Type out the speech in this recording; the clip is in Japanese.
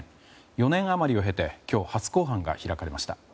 ４年余りを経て今日、初公判が開かれました。